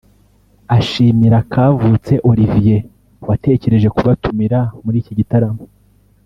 ashimira Kavutse Olivier watekereje kubatumira muri iki gitaramo